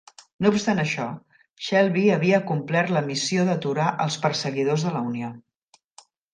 No obstant això, Shelby havia complert la missió d'aturar els perseguidors de la Unió.